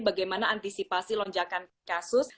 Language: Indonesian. bagaimana antisipasi lonjakan kasus